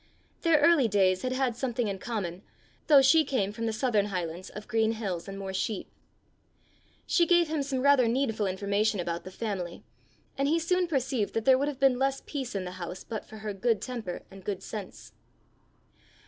Their early days had had something in common, though she came from the southern highlands of green hills and more sheep. She gave him some rather needful information about the family; and he soon perceived that there would have been less peace in the house but for her good temper and good sense.